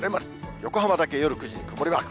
横浜だけ夜９時に曇りマーク。